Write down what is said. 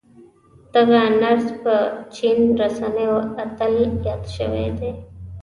دغه نرس پر چين رسنيو اتل ياد شوی دی.